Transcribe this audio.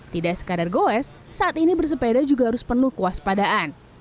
tidak sekadar goes saat ini bersepeda juga harus penuh kuas padaan